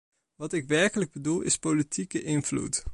Wat ik werkelijk bedoel is politieke invloed.